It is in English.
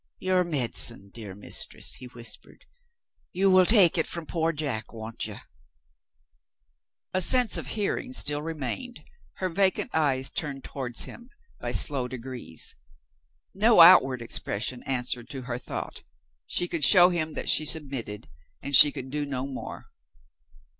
"Your medicine, dear Mistress," he whispered. "You will take it from poor Jack, won't you?" The sense of hearing still remained. Her vacant eyes turned towards him by slow degrees. No outward expression answered to her thought; she could show him that she submitted, and she could do no more.